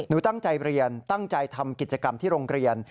ตั้งใจเรียนตั้งใจทำกิจกรรมที่โรงเรียน